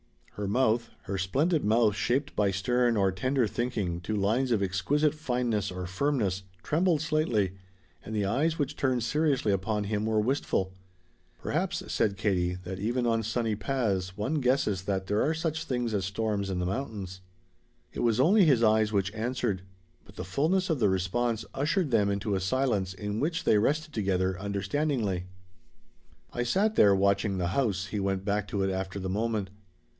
Her mouth her splendid mouth shaped by stern or tender thinking to lines of exquisite fineness or firmness trembled slightly, and the eyes which turned seriously upon him were wistful. "Perhaps," said Katie, "that even on sunny paths one guesses that there are such things as storms in the mountains." It was only his eyes which answered, but the fullness of the response ushered them into a silence in which they rested together understandingly. "I sat there watching the house," he went back to it after the moment.